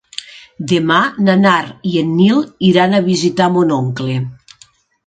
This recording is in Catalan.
Demà na Mar i en Nil iran a visitar mon oncle.